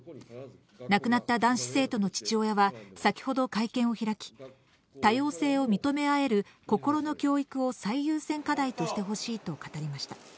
亡くなった男子生徒の父親は、先ほど会見を開き、多様性を認め合える心の教育を最優先課題としてほしいと語りました。